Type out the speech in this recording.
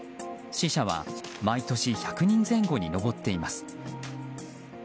死者は毎年１００人前後に上っています。